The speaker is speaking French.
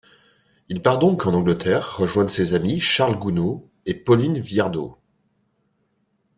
Il part donc en Angleterre rejoindre ses amis Charles Gounod et Pauline Viardot.